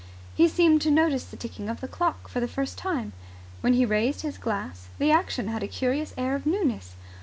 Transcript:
He seemed to notice the ticking of the clock for the first time. When he raised his glass the action had a curious air of newness.